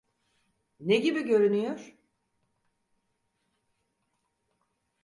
Ne gibi görünüyor?